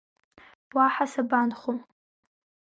Уаҳа сабанхо…